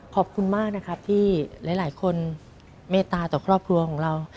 ขอบคุณมากนะครับที่หลายคนเมตตาต่อครอบครัวของเรา